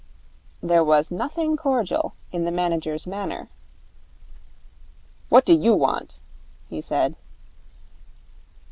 There was nothing cordial in the manager's manner. 'What do you want?' he said.